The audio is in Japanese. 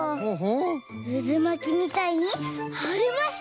うずまきみたいにはれました！